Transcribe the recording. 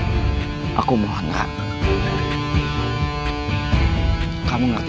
apa gue aja yang terlalu keterlaluan sama vero